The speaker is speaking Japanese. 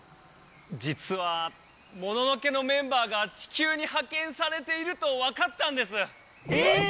実はモノノ家のメンバーが地きゅうにはけんされているとわかったんです。え！